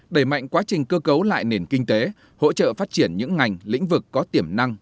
đẩy mạnh quá trình cơ cấu lại nền kinh tế hỗ trợ phát triển những ngành lĩnh vực có tiềm năng